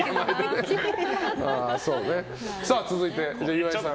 続いて、岩井さん。